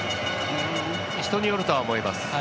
人によるとは思います。